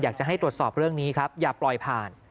อยากจะให้ตรวจสอบเรื่องนี้ครับอย่าปล่อยผ่าน